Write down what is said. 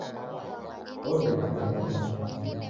Ogh'ende kimonu